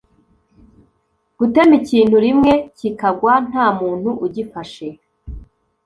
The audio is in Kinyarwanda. gutema ikintu rimwe kikagwa ntamuntu ugifashe